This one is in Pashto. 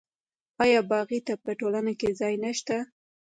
آیا باغي ته په ټولنه کې ځای نشته؟